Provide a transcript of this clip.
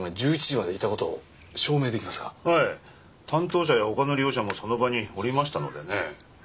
はい担当者やほかの利用者もその場におりましたのでね